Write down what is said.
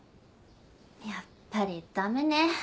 やっぱり駄目ね